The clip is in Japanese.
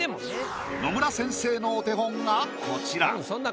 野村先生のお手本がこちら。